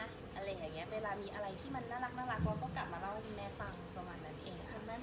อะไรอย่างนี้เวลามีอะไรที่มันน่ารักเราก็กลับมาเล่าให้คุณแม่ฟังประมาณนั้นเอง